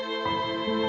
pesek air papi